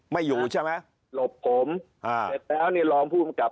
ไม่อยู่ใช่ไหมหลบผมอ่าเสร็จแล้วเนี่ยรองผู้กำกับ